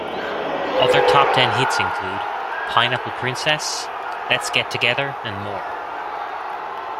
Other top-ten hits include, "Pineapple Princess", "Let's Get Together" and more.